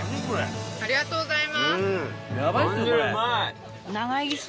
ありがとうございます。